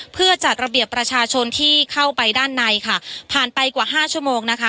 เพื่อจัดระเบียบประชาชนที่เข้าไปด้านในค่ะผ่านไปกว่าห้าชั่วโมงนะคะ